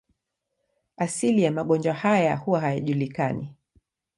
Asili ya magonjwa haya huwa hayajulikani.